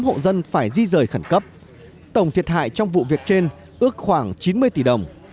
một trăm linh tám hộ dân phải di rời khẩn cấp tổng thiệt hại trong vụ việc trên ước khoảng chín mươi tỷ đồng